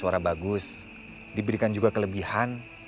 mari bang hira